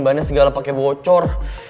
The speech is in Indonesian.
bahannya segala pake bocor